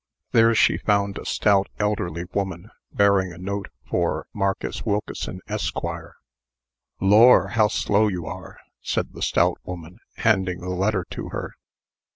There she found a stout elderly woman, bearing a note for "Marcus Wilkeson, Esq." "Lor'! how slow you are!" said the stout woman, handing the letter to her.